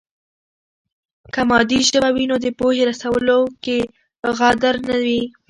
که مادي ژبه وي نو د پوهې رسولو کې غدر نه وي.